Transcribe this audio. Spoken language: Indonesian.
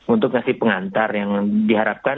untuk ngasih pengantar yang diharapkan